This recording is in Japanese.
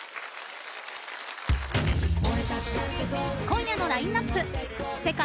今夜のラインナップ。